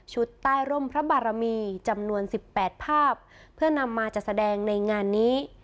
ใต้ร่มพระบารมีจำนวนสิบแปดภาพเพื่อนำมาจัดแสดงในงานนี้